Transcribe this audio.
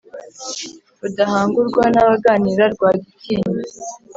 Rudahangurwa n’abaganira Rwagitinywa